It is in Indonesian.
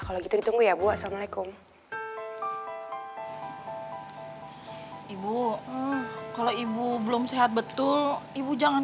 kalau gitu ditunggu ya bu assalamualaikum ibu kalau ibu belum sehat betul ibu jangan